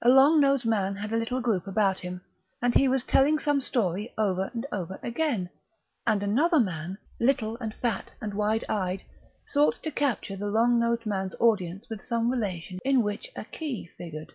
A long nosed man had a little group about him, and he was telling some story over and over again; and another man, little and fat and wide eyed, sought to capture the long nosed man's audience with some relation in which a key figured.